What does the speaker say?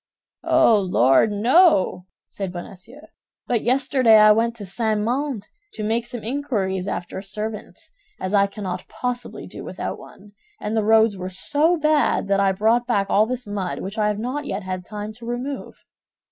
"Oh, Lord! no," said Bonacieux, "but yesterday I went to St. Mandé to make some inquiries after a servant, as I cannot possibly do without one; and the roads were so bad that I brought back all this mud, which I have not yet had time to remove."